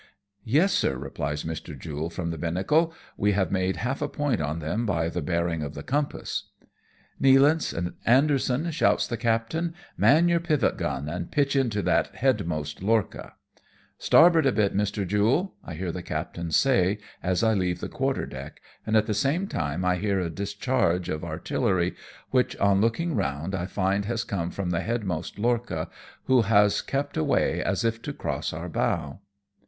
" Yes, sir," replies Mr. Jule from the binnacle, " we have made half a point on them by the bearing of the compass." I20 AMONG TYPHOONS AND PIRATE CRAFT. " Nealance, Anderson," shouts the captain, " man your pivot gun, and pitch into that headmost lorcha." " Starboard a bit, Mr. Jule," I hear the captain say, as I leave the quarter deck; and at the same time I hear a discharge of artillery, which on looking round I find has come from the headmost lorcha, who has kept away as if to cross our bow.